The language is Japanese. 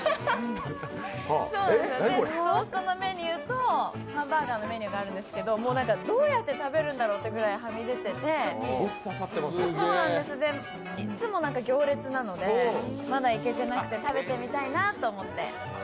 トーストのメニューとハンバーガーのメニューがあるんですけどもうなんかどうやって食べるんだろうというぐらいはみ出てていっつも行列なので、まだ行けてなくて食べてみたいなと思って。